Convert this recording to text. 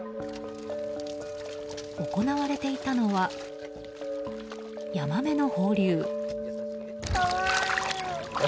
行われていたのは、ヤマメの放流。